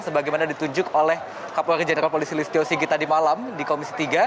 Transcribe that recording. sebagaimana ditunjuk oleh kapolri jenderal polisi listio sigi tadi malam di komisi tiga